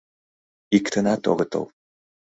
Иктынат огытыл.